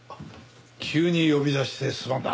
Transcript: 急に呼び出してすまんな。